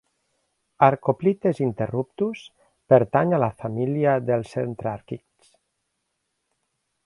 "Archoplites interruptus" pertany a la família dels centràrquids.